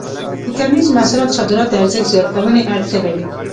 د کرنیزو محصولاتو صادرات د ارزښت زیاتونې اړتیا لري.